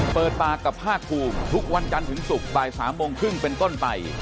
เปิดปากกับภาคภูมิทุกวันจันทร์ถึงศุกร์บ่าย๓โมงครึ่งเป็นต้นไป